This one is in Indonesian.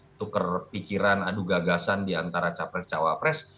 untuk kepikiran aduh gagasan diantara cawa pres